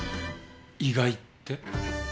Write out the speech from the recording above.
意外って？